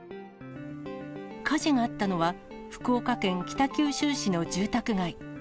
火事があったのは、福岡県北九州市の住宅街。